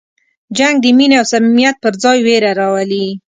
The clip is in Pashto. جنګ د مینې او صمیمیت پر ځای وېره راولي.